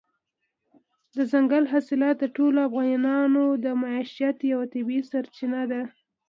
دځنګل حاصلات د ټولو افغانانو د معیشت یوه طبیعي سرچینه ده.